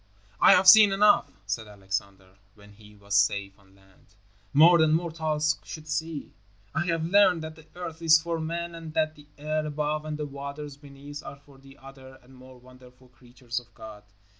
"I have seen enough," said Alexander, when he was safe on land, "more than mortals should see. I have learned that the earth is for man and that the air above and the waters beneath are for the other and more wonderful creatures of God."